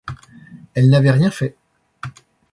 Elles n’avaient rien fait.